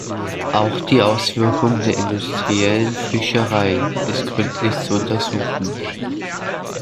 Auch die Auswirkung der industriellen Fischerei ist gründlich zu untersuchen.